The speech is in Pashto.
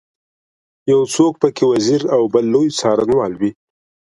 یو څوک په کې وزیر او بل لوی څارنوال وي.